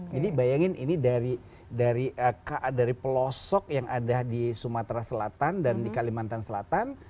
jadi bayangin ini dari pelosok yang ada di sumatera selatan dan di kalimantan selatan